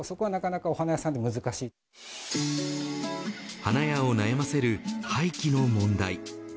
花屋を悩ませる廃棄の問題。